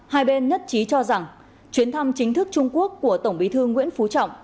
một mươi ba hai bên nhất trí cho rằng chuyến thăm chính thức trung quốc của tổng bí thư nguyễn phú trọng